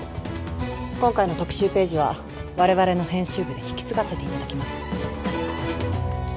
今回の特集ページは我々の編集部で引き継がせていただきます